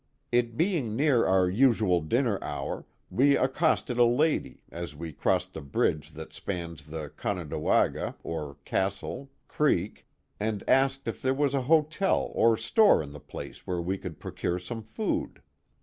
It being near our usual dinner hour, we ac costed a lady, as we crossed the bridge that spans the Con o wa da ga. or Castle, Creek, and asked if there was a hotel or store in the place where we could procure some food.